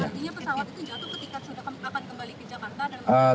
artinya pesawat itu jatuh ketika sudah akan kembali ke jakarta